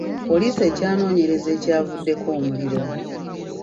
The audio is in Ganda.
Poliisi ekyanoonyereza ekyavuddeko omuliro.